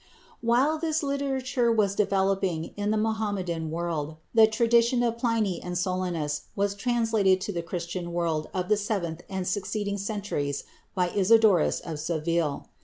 While this literature was developing in the Mohammedan world, the tradition of Pliny and Solinus was transmitted to the Christian world of the seventh and succeeding centuries by Isidorus of Seville.